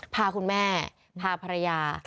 พาคุณแม่พาภรรยา